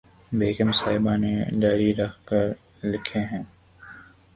بیگم صاحبہ نے ڈائری رکھ کر لکھے ہیں